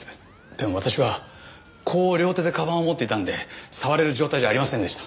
でも私はこう両手でかばんを持っていたんで触れる状態じゃありませんでした。